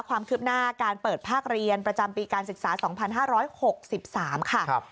ความคืบหน้าการเปิดภาคเรียนประจำปีการศึกษา๒๕๖๓ค่ะ